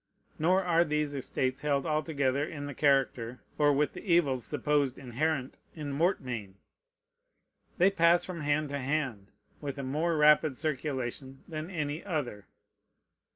Nor are these estates held altogether in the character or with the evils supposed inherent in mortmain. They pass from hand to hand with a more rapid circulation than any other.